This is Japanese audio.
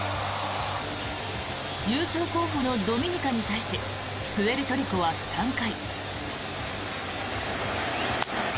優勝候補のドミニカに対しプエルトリコは３回。